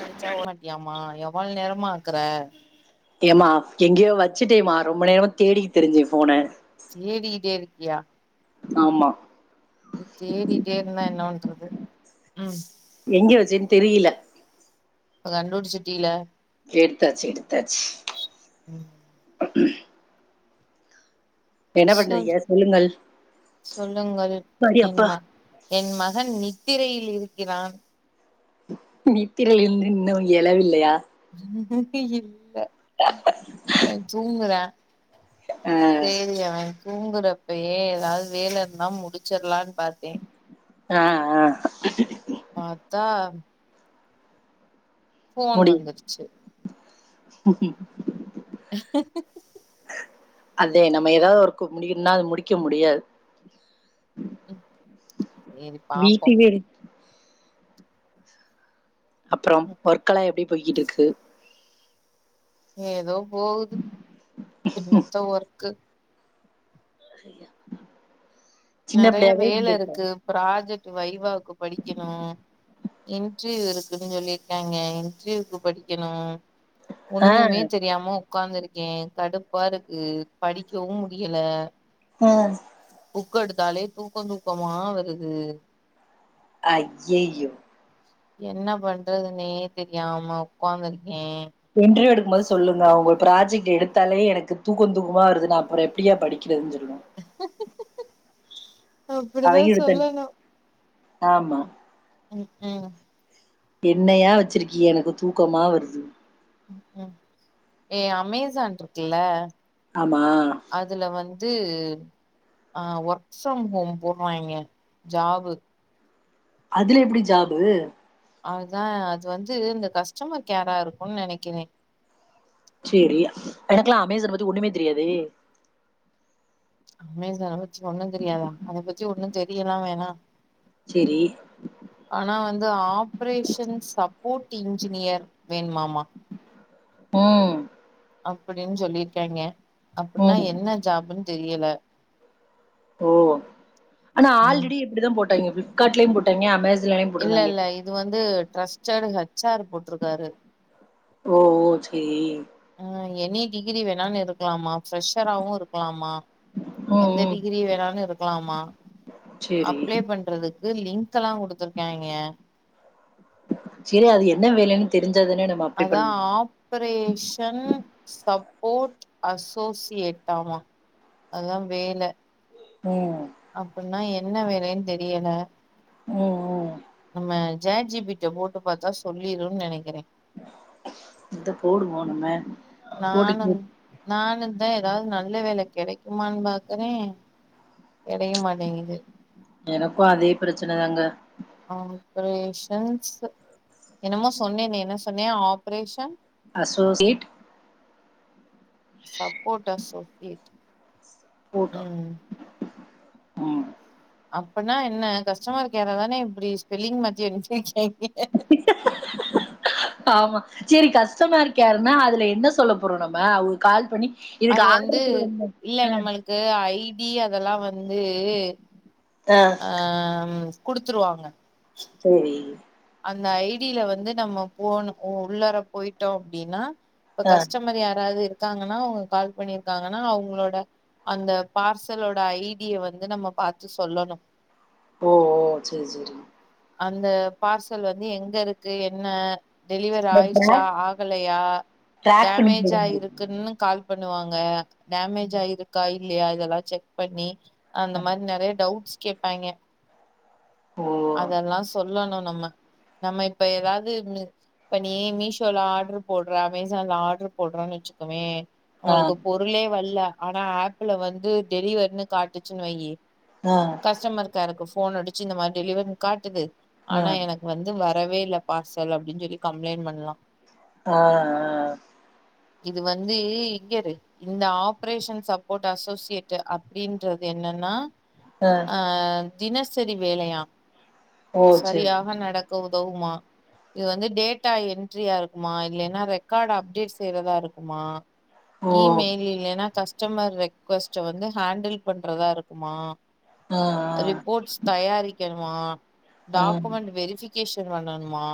நடிச்சா ஓட மாட்டியமா எம் இவ்ளோ நேரமா ஆக்குற ஏமா எங்கேயோ வச்சுட்டேமா ரொம்ப நேரமா தேடி திரிஞ்சேன் போன தேடிட்டே இருக்கியா ஆமா தேடிட்டே இருந்தா என்ன பண்றது ம் எங்க வச்சேன் தெரில இப்ப கண்டுபுச்சிட்டில எடுத்தாச்சி எடுத்தாச்சி ம் என்ன சொல் பண்றீங்க சொல்லுங்கள் சொல்லுங்கள் சரி அப்பா என்மா என் மகன் நீ திரையில் இருக்கிறான் நித்திரையிருந்து இன்னும் எழவில்லயா [unintelligible] அ தூங்குறன் ஆ, செரியா வை தூங்குறப்பயே ஏதாது வேலை இருந்தா முடிச்சிடலா பாத்தேன் ஆ ஆ பாத்தா போன் முடியும் வந்துருச்சு அதே நம்ம ஏதாது ஒர்க்கு முடியும்னா அது முடிக்க முடியாது ம் செரி வீட்டு பாப்போம் வீடு அப்றோம் ஒர்க் எல்லா எப்டி போய்கிட்டு இருக்கு ஏதோ போகுது எனத்த ஒர்க்கு சரியா நெறைய வேலை இருக்கு ப்ராஜெக்ட் வைவாவுக்கு படிக்கணும் இன்டர்வியூ இருக்குன்னு சொல்லியிருக்காங்க இன்டர்வியூக்கு படிக்கணும் ஒண்ணுமே தெரியாம உக்காந்துருக்கேன் கடுப்பா இருக்கு படிக்கவும் முடியல உஹம் புக்க எடுத்தாலே தூக்கம் தூக்கமா வருது அய்யய என்ன பண்றதுனே தெரிய ஆமா ஒக்காந்துரு ஆஹ்ம் மொத சொல்லுங்க உங்க ப்ராஜெக்ட் எடுத்தாலே எனக்கு தூக்கம் தூக்கமா வருது நான் அப்புறம் எப்படியா படிக்கிறது சொல்லன் அவங்க அப்படிதான் எடுத்தன் சொல்லணும் ஆமா உம் உஹம் என்னயா வச்சிருக்கிய எனக்கு தூக்கமா வருது உம் ஏ அமேசான் இருக்குல்ல ஆமா அது ஆஹ் ஒர்க் ஃப்ரம் ஹோம் போடுறாங்கய ஜாபு அதுல எப்படி ஜாபு அதுதான் அது வந்து இந்த கஸ்டமர் கேரா இருக்கும் நினைக்கிறேன் செரி எனக்கெல்லாம் அமேசன் பத்தி ஒண்ணுமே தெரியாது அமேசன் அத பத்தி ஒண்ணும் தெரியாதா அதை பத்தி ஒன்னும் தெரியலாம் வேணாம் சேரி ஆனா வந்து ஆப்ரேஷன்ப் ஸ்கூட்டி இன்ஜினியர் வேணுமாமா உம் அப்படின்னு சொல்லிருக்காங்கய அப்படின்னா ம் என்ன ஜாப்ன்னு தெரிய தெரியல ஓ ஆனா ம் ஆல்ரெடி இப்படிதான் போட்ட பிப்கார்ட்லய போட்டங்கய அமேசான் இல்ல இல்ல இது வந்து டிரஸ்டட் ஹச் ஆர் போட்டிருக்காரு ஓ ஓ சேரி ஆஹ் எனி டிகிரி வேணாலும் இருக்கலாமாம் ஃப்ரெஷராவு இருக்கலாமா ம் எந்த ம் டிகிரி வேணாலும் இருக்கலாமா சேரி அப்ளை பண்றதுக்கு எதோ லிங்க் எல்லாம் கொடுத்துருக்காங்கய சேரி அது என்ன வேலைன்னு தெரிஞ்சு அதான் ஆப்பரேஷன் சப் கோட் அசோசியேட்டாமா அதா வேல ம் அப்புனா என் என்ன வேலைன் தெரியல உ உ நம்ம ஜேட் ஜிபிட்ட போட்டு பாத்தா சொல்லிருன் நெனைக்கிறே இந்த போடு போடுமே போட்டு கேளு ஆ ஏதாவது நல்ல வேல கெடைக்குமானு பாக்குறே கெடைக மாட்டேங்குது எனக்கு அதே பிரச்சன தாங்க ஆப்ரேஷன்ஸ் என்னமோ சொன்னேனே என்ன சொன்னே ஆப்ரேஷன் அசோஸியேட் சப்போட்டர்ஸ்ஸோ ஏட் உ உ அப்பன்னா என்ன கஸ்டமர் கேர தானே இப்படி ஸ்பெல்லிங் மாத்தி [unintelligible] ஆமா சேரி கஷ்டமர்கேர்னா அதுல என்ன சொல்ல போறோ நம்ம ஒரு கால் பண்ணி இதுக்கு அது வந்து ஆர்டர் குடுங்க இல்ல நம்மளுக்கு ஐ டீ அதெல்லா வந்து ஆ ஆ ஆம் குடுத்துருவாங்க சேரி அந்த ஐடில வந்து நம்ம போணபோ உள்ளாற போயிட்டோ அப்டின்னா இப்ப ஆ கஷ்டமர் யாராது இருக்காங்கனா அவங்க கால் பண்ணிருக்காங்கனா அவங்களோட அந்த பார்சலோட ஐடிய வந்து நம்ம பாத்து சொல்லணு ஓ ஓ சேரி சேரி அந்த பார்சல் வந்து எங்கருக்கு என்ன டெலிவர் இந்த ஆயிர்ச்சா ட்ராக் ஆகலையா ட்ராக் பண்ணி டேமேஜா போடுங்க இருக்குன்னு கால் பண்ணுவாங்க டேமேஜ் ஆயிருக்காயி இல்லையா இதெல்லா ஜெக் பண்ணி அந்த மாரி நெறைய டவுட்ஸ் கேப்பாங்க ஓ அதெல்லா சொல்லணும் நம்ம நம்ம இப்ப ஏதாது இப்ப நீ மீஷோல ஆர்டரு போடுற அமேசான்ல ஆர்டரு போடுறனு வச்சுக்கோவேன் ஆ நம்மளுக்கு பொருளே வரல்ல ஆனா ஆப்ல வந்து டெலிவர்ன்னு காட்டுச்சுகனு வையி ஆ கஸ்டமர் கேர்ருக்கு போன் அடிச்சி இந்த மாதிரி டெலிவர் காட்டுது ஆ ஆனா எனக்கு வந்து வ வரவே இல்ல பார்சல் அப்டின் சொல்லி கம்ப்ளைண் பண்லாம் ஆஹ் அஹ் இது வந்து இங்கரு இந்த ஆப்ரேஷன் சப்போர்ட் அசோசியேட் அப்படின்றது என்னன்னா ஆ ஆஹ் தினசரி வேலையா ஓ சேரி சரியாக நடக்கவும் தோவுமா இது வந்து டேட்டா என்ட்ரியா இருக்குமா இல்லைன்னா ரெக்கார்டு அப்டேட் செய்றதா இருக்குமா ஓ ஈ மெயில் இல்லனா கஷ் கஸ்டமர் ரெக்வஸ்ட்ட வந்து ஹேண்டில் பண்றதா இருக்குமா ஆ ரிப்போர்ட்ஸ் தயாரிக்கணுமா ஆ ஆ டாக்குமெண்ட் வெரிஃபி கேஷன் பண்ணணுமா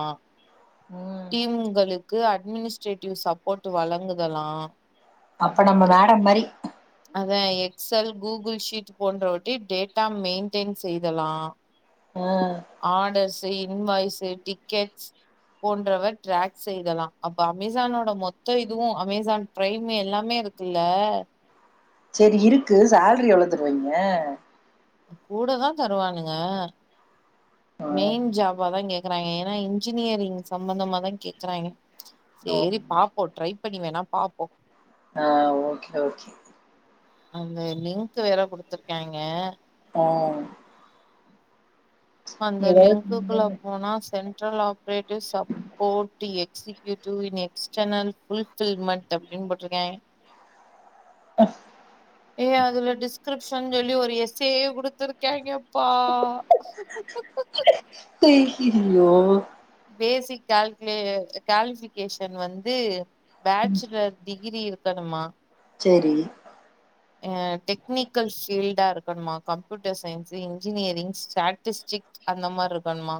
ம் டீம்களுக்கு க்கு அட்மினிஸ்ட்ரேட்டிவ் சப்போர்ட் வழங்குதலாம் அப்ப நம்ம மேடம் மாரி அதான் எக்ஸல் கூகுள் ஷீட் போன்றவட்டி டேட்டா மெயின்டென் செய்தலான் ஆ ஆடஸ் இன்வாய்ஸ்சு டிக்கெட்ஸ் போன்றவ ட்ராக் செய்தலாம் அப்ப அமேசானோட மொத்த இதுவும் அமேசான் பிரைமு எல்லாமே இருக்குல்ல சேரி இருக்கு சேல்ரி எவ்ளோ தருவாங்கய கூட தா தருவானுங்க மெயின் ஆ ஜாபாதாங்க க்கறாங்க ஏனா இன்ஜினியரிங் சம்பந்தமா தான் கேக்குறாங்க ஓ சேரி பாப்போம் ட்ரை பண்ணி வேணா பாப்போம் ஆ ஓகே ஓகே அந்த லிங்க் வேற குடுத்துருக்காங்கே ஆ அந்த லிங்க்குக்குள்ள ஏதாவது போனா central operative support executive in external fulfilment அப்படின்னு போட்டிருக்காங்கே அ ஏய் அதுல டிஸ்கிரிப்ஷன் சொல்லி ஒரு எஸ் ஏயே குடுத்துருக்காங்கேப்பா பேசிருவியோ பேசிக் கால்குலே கிளாசிஃபிக்கேஷன் வந்து பேச்சுலர் டிகிரி இருக்கணுமா சேரி ஆ டெக்னிக்கல் ஃபீல்டா இருக்கனுமா கம்ப்யூட்டர் சயின்ஸ் இன்ஜினியரிங் ஸ்டாட்டிஸ்டிக் அந்த மாதிரி இருக்கனுமா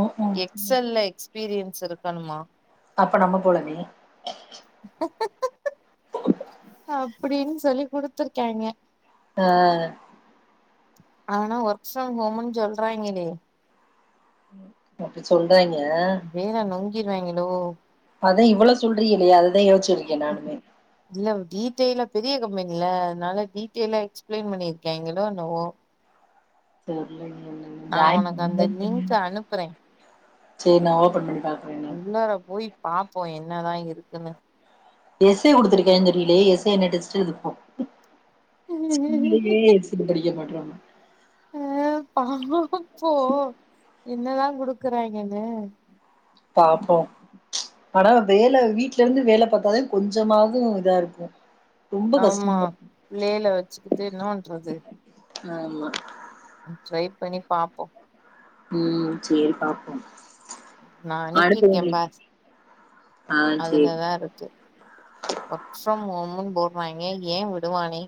ம் எக்ஸ் ம் எல் ல எக்ஸ்பீரியன்ஸ் செதுக்கனும்மா அப்ப நம்ம போலாமே அப்படின்னு சொல்லி குடுத்தருக்காங்கே ஆ ஆனா ஒர்க் ஃப்ரம் ஹோம்ன்னு சொல்றாங்களே அப்படி சொல் வேற நொங்கிருவாங்களோ இவ்ளோ சொல்றீரையலே அது தான் யோச்சு இல்ல டீட் டெயிலா பெரிய கம்பெனில அதனால டீட்டெயிலா எக்ஸ்பளைன் பண்ணியிருகாங்களோ என்னவோ சரிங்க நான் உனக்கு அந்த லிங்க் அனுப்புறேன் செரி நான் ஓப்பன் பண்ணி பாக்குறே என்னன்னு உள்ளாற போயி பாப்போம் என்னதான் இருக்குன்னு ஏஸ்ஸு குடுத்துருக்காங்கேன்னு தெரியிலயே எஸ்ஸு எதுனா டெஸ்ட்டு இதுப்போம் ஸ்கூல்லையே எஸ்ஸுக்கு படிக்க மாட் [unintelligible] அ பாப்போ என்னதான் குடுக்குறாய்ங்கன்னு பாப்போம் ஆனா வேலை வீட்ல இருந்து வேலை பாத்தா தான் கொஞ்சமாவும் இதா இருக்கும் ஆமா பிள்ளையில வச்சுக்கிட்டு என்ன பண்றது ஆமா ட்ரை பண்ணி பாப்போ உம் சேரி பாப்போம் நா அனுப்பிருக்கே பார் ஆ சேரி அதுலதா இருக்கு ஒர்க் ஃப்ரம் ஹோமு போட் வாங்கே ஏ விடுவானே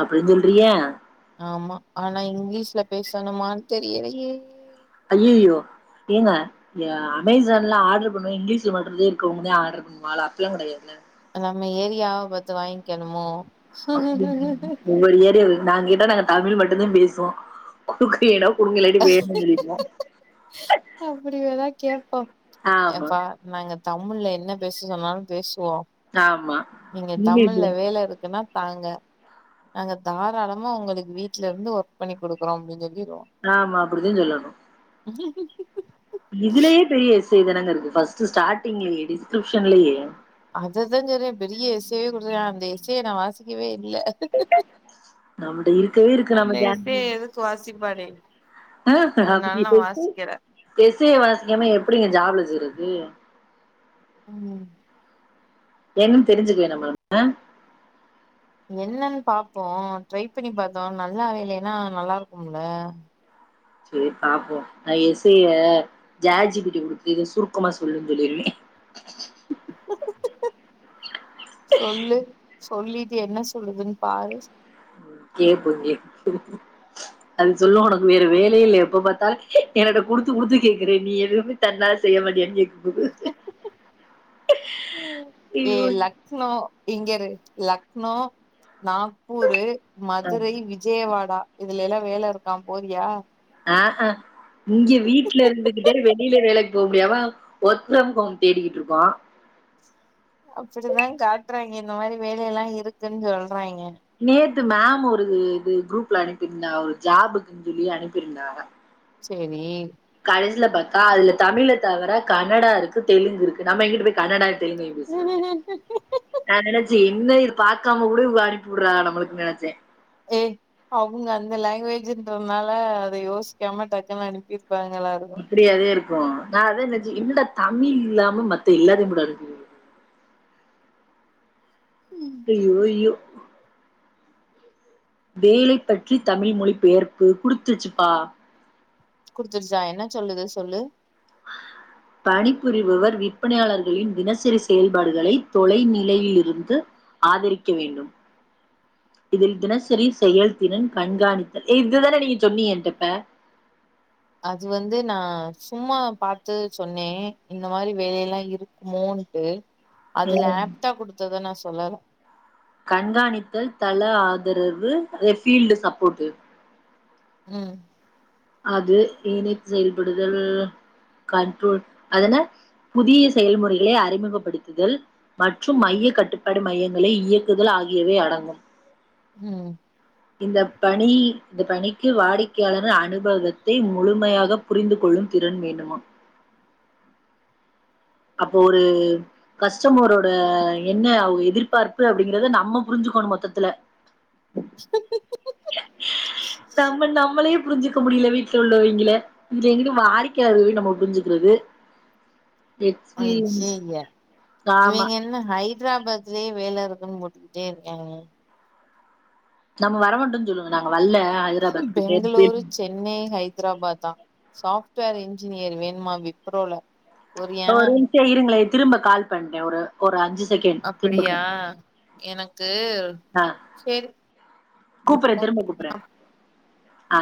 அப்டின்னு சொல்றியா ஆமா ஆனா இங்கிலீஷ்ல பேசணுமான்னு தெரியலையே அய்யயோ ஏங்க அமேசான்ல ஆர்டர் பண்ணுவே இங்கிலீஷ்ல மட்டுறதே இருக்கவங்களே ஆர்டர் பண்ணுவ அப்டில்லா கெடயாதுல நம்ம ஏரியாவ பத்து வாங்கிக்கணுமோ [unintelligible] நாங்க தமிழ் மட்டும் தா பேசுவோ குறுக்க இடம் குடுங்க இல்லாட்டி வேணுஞ் சொல்லிருவோ [unintelligible] அப்டி வேணா கே ப்போம் ஆமா எப்பா நாங்க தமிழ்ல என்ன பேச சொன்னாலு பேசுவோ நாம் நீங்க தமிழ்ல வேல இருக்குன்னா தாங்க நாங்க தாராளமா ஒங்களுக்கு வீட்ல இருந்து ஒர்க் பண்ணி குடுக்குறோ அப்டின்னு சொல்லி ஆமா அப்டிதா சொல்லணு [unintelligible] இதுலயே பெரிய விச சே தானங்க இருக்கு ஃப்ஸ்ட்டு ஸ்டாடிங்லேயே டிஸ்கிரிப்ஷன்லயே அத தா சொல்றே பெரிய எஸ்ஸேவே குடுத்துருக்கானா அந்த ஏசி நா வாசிக்கவே இல்ல இல்ல நம்மட்ட இருக்கவே இருக்கு அந்த நம்ம எஸ்ஸேய எதுக்கு வாசிப்பாரு [unintelligible] ஆ அப்டியா பேசி பே வசிக்காம எப்டிங்க ஜாப்ல சேருரது உம் என்னன்னு தெரிஞ்சுக்க வேண்டாமா ஆ என்னன்னு பாப்போ ட்ரை பண்ணி பாத்தோ நல்லா வேலன்னா நல்லா இருக்குல செரி பாப்போ நா எஸ்ஸைய ஜாட் ஜிபிடி கிட்ட குடுத்து இத சுருக்கமா சொல்லுன்னு சொல்லிருவே சொல்லு சொல்லிட்டு என்ன சொல்லுதுனு பாரு கேப்போ கேப்போ அது சொல்லு ஒனக்கு வேற வேலயே இல்ல எப்ப பாத்தாலு என்னட்ட குடுத்து குடுத்து கேக்குற நீ எதுவுமே தன்னால செய்ய மாட்டியான்னு கேக்கு ஏ ஐயோ லக்னோ இங்கரு லக்னோ நாக்பூரு ஆ மதுரை விஜயவாடா இதுல எல்லா வேல இருக்கா போறியா ஆ ஹ இங்க வீட்ல இருந்துகிட்டே வெளில வேலைக்கு இப்ப வெளியில போக முடியாம வொர்க் ஃப்ரம் ஹோம் தேடிக்கிட்டு இருக்கோ அப்டிதா காட்றாங்க இந்த மாதிரி வேலையெல்லா இருக்குன்னு சொல்றே ற்றாங்க நேத்து மேம் ஒரு இது குரூப்ல அனுப்பிருந்தாக ஒரு ஜாப்புக்கு சொல்லி அனுப்பிருந்தாக சேரி கடைசில பாத்தா அதுல தமிழ தவிர கன்னடா இருக்கு தெலுங்கு இருக்கு நம்ம எங்குட்டு போய் கன்னடா இருக்கு தெலுங்கையு பேசுவே நா நெனச் என்ன இது பாக்காம கூட இவுங்க அனுப்பி விடுறாங்க நம்மளுக்கு நினைச்சே ஏ அவுங்க அந்த லாங்குவேஜ்ன்றதுனால அத யோசிக்காம டக்குன்னு அனுப்பிரு ப்பாங்கல்லா இருக்கு இப்படியாதே இருக்கு நா அதா நெனச்சே என்னடா தமிழ் இல்லாம மத்த எல்லத்தையு கூட இருக்கு அய்யோ அய்யோ வேலை பற்றி தமிழ் மொழி பெயர்ப்பு குடுத்துருச்சுப்பா குடுத்துருச்சா என்ன சொல்லுது சொல்லு பணிபுரிபவர் விற்பனையாளர்களின் தினசரி செயல்பாடுகளை தொலைநிலையிலிருந்து ஆதரிக்க வேண்டும் இதில் தினசரி செயல்திறன் கண்காணித்தல் இதுதானே நீங்க சொன்னீங்க என்ட இப்ப அது வந்து நா சும்மா பாத்து சொன்னே இந்த மாதிரி வேலை எல்லா இருக்குமோன்ட்டு அதுல இப்ப. ஆப்டா கொடுத்ததா நா சொல்லல கண்காணித்தல் தள ஆதரவு அதா பீல்டு சப்போட்டு உம் அது இணைத்து செயல்படுதல் கற்று அது என்ன புதிய செயல்முறைகளை அறிமுகப்படுத்துதல் மற்றும் மைய கட்டுப்பாடு மையங்களை இயக்குதல் ஆகியவை அடங்கும் உம் இந்த பணி இந்த பணிக்கு வாடிக்கையாளர் அனுபவத்தை முழுமையாகப் புரிந்து கொள்ளும் திறன் வேண்டுமா அப்போ ஒரு கஷ்டமரோட என்ன அவ எதிர்பார்ப்பு அப்படிங்கறத நம்ம புரிஞ்சுக்கணும் மொத்தத்துல நம்ம நம்மளே புரிஞ்சிக்க முடியல வீட்ல உள்ளவங்கள இதுல எங்க வாடிக்கையாளர்கள நம்ம புரிஞ்சுக்கிறது எக்ஸ்பீரியன்ஸ் அய்யய்ய ஆமா இவிங்க என்ன ஹை ஹைதராபாத்லயே வேல இருக்குன்னு போட்டுக்கிட்டே இருக்காங்க நம்ம வர மாட்டும்னு சொல்லுங்க நாங்க வரல ஹைதராபாத்துக்கு பெங்களூரு சென்னை ஹைதராபாத் தா சாப் ட்வேர் இன்ஜினியர் வேணுமா விப்ரோல வரியா ஒரு நிமிஷம் இருங்களேன் திரும்ப கால் பண்றேன் ஒரு ஒரு அஞ்சு செகண்ட் திரும்ப அப்படியா கால் எனக்கு கு ஆ சரி கூப்பிடுறேன் திரும்ப ஒகே கூப்பிடுறேன் மேம் ஆ